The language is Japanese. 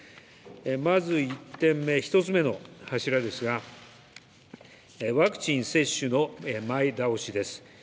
まず１点目、１つ目の柱ですが、ワクチン接種の前倒しです。